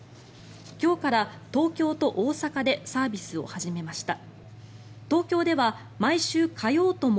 今日から東京と大阪でサービスを始めました。